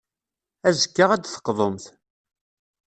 Azekka, ad d-teqḍumt.